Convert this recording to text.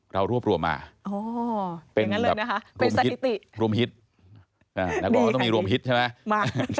เรารวบรวมมาเป็นแบบรวมฮิตนักรอบก็ต้องมีรวมฮิตใช่ไหม